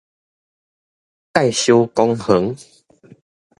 介壽公園